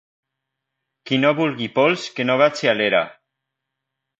Qui no vulgui pols, que no vagi a l'era